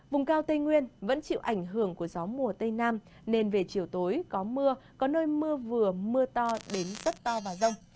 vùng cao tây nguyên vẫn chịu ảnh hưởng của gió mùa tây nam nên về chiều tối có mưa có nơi mưa vừa mưa to đến rất to và rông